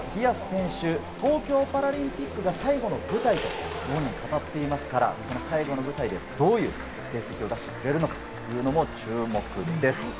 このディアス選手、東京パラリンピックが最後の舞台と本人は語っていますから、最後の舞台でどういう成績を出すのかというのも注目です。